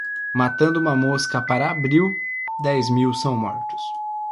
Matando uma mosca para abril, dez mil são mortos.